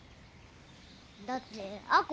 だって亜子